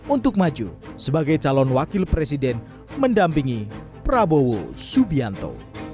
untuk maju sebagai calon wakil presiden mendampingi prabowo subianto